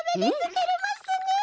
てれますね！